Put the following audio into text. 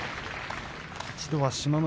一度は志摩ノ